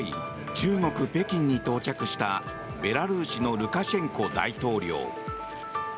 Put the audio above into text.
中国・北京に到着したベラルーシのルカシェンコ大統領。